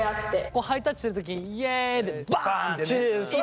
こうハイタッチする時「イエイ」でバンってね。